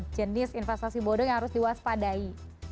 jenis investasi bodong yang harus diwaspadai